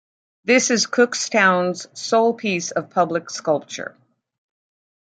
This is Cookstown's sole piece of public sculpture.